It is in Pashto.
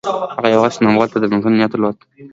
هغه یو وخت استانبول ته د تللو نیت درلود.